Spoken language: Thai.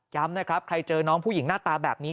นะครับใครเจอน้องผู้หญิงหน้าตาแบบนี้